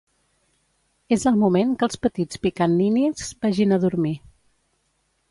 És el moment que els petits Pickaninnies vagin a dormir.